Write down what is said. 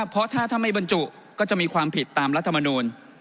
เพราะถ้าไม่บรรจุก็จะมีความผิดตามรัฐมนูล